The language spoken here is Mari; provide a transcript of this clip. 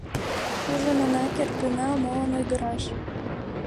Ужын она керт гынат, молан ойгыраш?